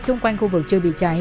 xung quanh khu vực chưa bị cháy